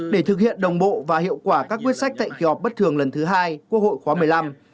để thực hiện đồng bộ và hiệu quả các quyết sách tại kỳ họp bất thường lần thứ hai quốc hội khóa một mươi năm